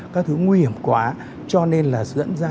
các thứ nguy hiểm quá cho nên là dẫn ra